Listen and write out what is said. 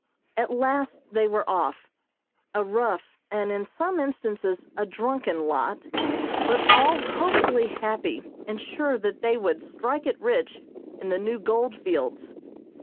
At last they were off. A rough, and in some instances a drunken lot, but all hopefully happy and sure that they would "strike it rich" in the new gold fields.